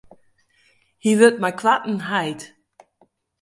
Hy wurdt mei koarten heit.